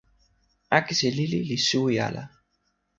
akesi lili li suwi ala.